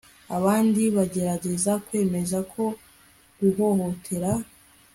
abandi bagerageza kwemeza ko guhohotera